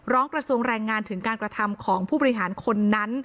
กระทรวงแรงงานถึงการกระทำของผู้บริหารคนนั้น